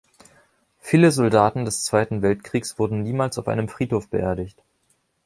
Viele Soldaten des Zweiten Weltkriegs wurden niemals auf einem Friedhof beerdigt.